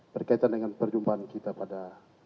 berkaitan dengan perjumpaan kita pada